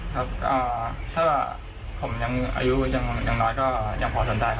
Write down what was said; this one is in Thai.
ครับถ้าผมอายุยังน้อยก็ยังพอสนใจ